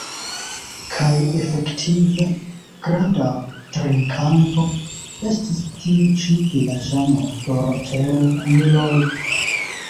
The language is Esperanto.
Kaj efektive, granda drinkanto estis tiu ĉi vilaĝano, Doroteo Nilov.